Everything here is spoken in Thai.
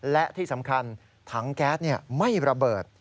และที่สำคัญถังแก๊สไม่ระเบิด